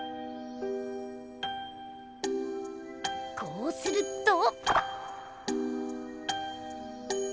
こうすると。